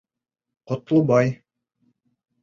Ҡотлобай.